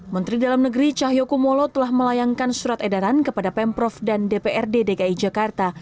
menteri dalam negeri cahyokumolo telah melayangkan surat edaran kepada pemprov dan dprd dki jakarta